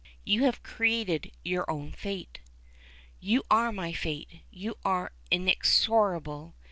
"You have created your own fate." "You are my fate! You are inexorable!